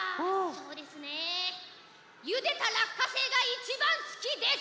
そうですねゆでたらっかせいがいちばんすきです！